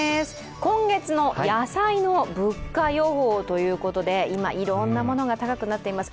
今月の野菜の物価予報ということで今いろんなものが高くなっています。